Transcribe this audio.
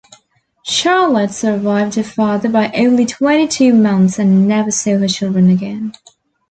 Charlotte survived her father by only twenty-two months and never saw her children again.